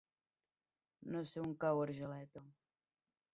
No sé on cau Argeleta.